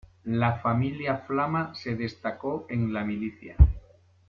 La familia Flama se destacó en la milicia.